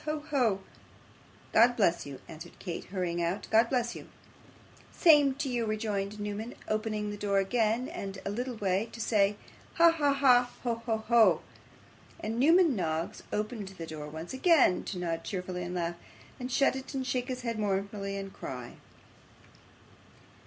Ho! ho!' 'God bless you,' answered Kate, hurrying out, 'God bless you.' 'Same to you,' rejoined Newman, opening the door again a little way to say so. 'Ha, ha, ha! Ho! ho! ho!' And Newman Noggs opened the door once again to nod cheerfully, and laugh and shut it, to shake his head mournfully, and cry.